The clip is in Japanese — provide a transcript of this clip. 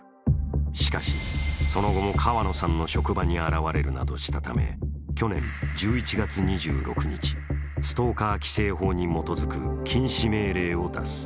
しかし、その後も川野さんの職場に現れるなどしたため、去年１１月２６日、ストーカー規制法に基づく禁止命令を出す。